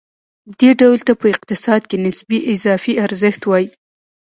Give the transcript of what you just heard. دې ډول ته په اقتصاد کې نسبي اضافي ارزښت وايي